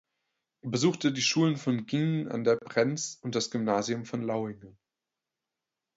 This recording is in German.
Er besuchte die Schulen von Giengen an der Brenz und das Gymnasium von Lauingen.